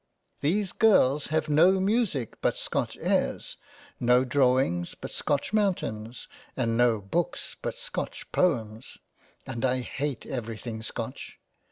These girls have no Music, but Scotch airs, no Drawings but Scotch Mountains, and no Books but Scotch Poems — and I hate everything Scotch.